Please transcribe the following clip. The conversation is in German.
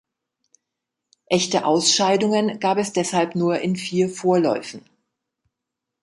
Echte Ausscheidungen gab es deshalb nur in vier Vorläufen.